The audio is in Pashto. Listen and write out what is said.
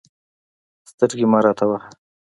سترګې مه راته وهه.